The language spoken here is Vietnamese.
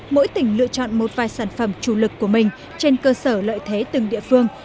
mỗi tỉnh lựa chọn một vài sản phẩm chủ lực của mình trên cơ sở lợi thế từng địa phương